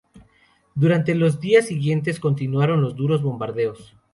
Durante los días siguientes continuaron los duros bombardeos.